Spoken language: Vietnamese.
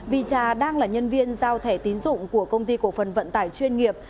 vì cha đang là nhân viên giao thẻ tín dụng của công ty cổ phần vận tải chuyên nghiệp